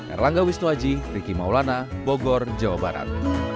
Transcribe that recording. erlangga wisnuaji riki maulana bogor jawa barat